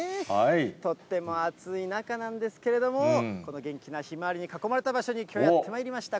とっても暑い中なんですけども、この元気なひまわりに囲まれた場所に、きょうはやってまいりました。